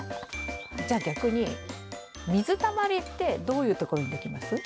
じゃあ逆に水たまりってどういうところにできます？